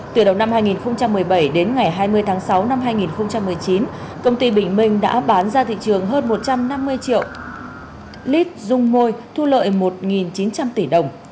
từ đầu năm hai nghìn một mươi bảy đến ngày hai mươi tháng sáu năm hai nghìn một mươi chín công ty bình minh đã bán ra thị trường hơn một trăm năm mươi triệu lít dung môi thu lợi một chín trăm linh tỷ đồng